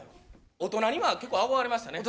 大人には結構憧れましたね。